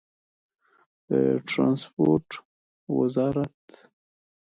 د ټرانسپورټ وزارت